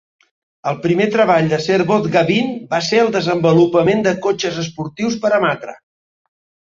El primer treball de Servoz-Gavin va ser el desenvolupament de cotxes esportius per a Matra.